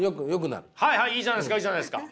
はいはいいいじゃないですかいいじゃないですか。